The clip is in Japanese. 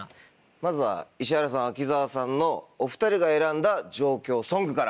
まずは石原さん秋澤さんのお２人が選んだ上京ソングから。